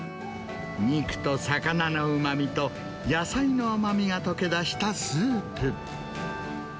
肉と魚のうまみと、野菜のうまみが溶け出したスープ。